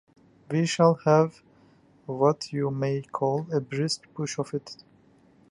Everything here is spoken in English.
We shall have what you may call a brisk push of it.